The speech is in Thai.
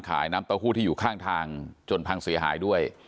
น้ำเต้าหู้ที่อยู่ข้างทางจนพังเสียหายด้วย